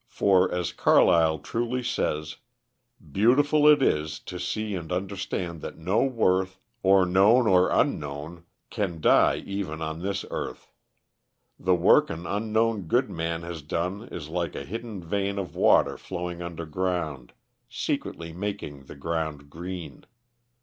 For as Carlyle truly says: "Beautiful it is to see and understand that no worth, or known or unknown, can die even on this earth. The work an unknown good man has done is like a hidden vein of water flowing underground, secretly making the ground green.